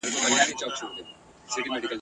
او د شعرونو مجموعې یې چاپ ته سپارلې !.